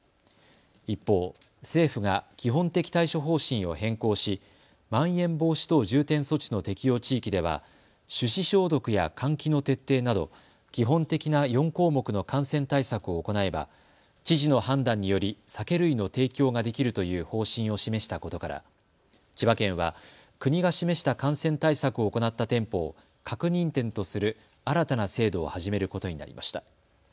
一方、政府が基本的対処方針を変更しまん延防止等重点措置の適用地域では手指消毒や換気の徹底など基本的な４項目の感染対策を行えば知事の判断により酒類の提供ができるという方針を示したことから千葉県は国が示した感染対策を行った店舗を確認店とする新たな制度を始めることになりました。